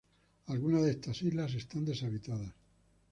Algunas de estas islas están deshabitadas.